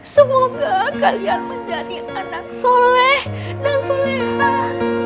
semoga kalian menjadi anak soleh dan soleh